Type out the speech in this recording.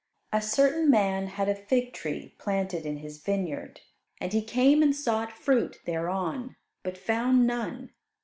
A certain man had a fig tree planted in his vineyard, and he came and sought fruit thereon, but found none.